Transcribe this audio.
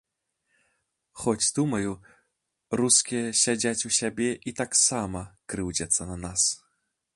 Хоць думаю, рускія сядзяць у сябе і таксама крыўдзяцца на нас.